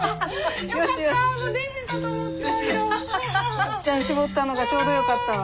まっちゃん絞ったのがちょうどよかったわ。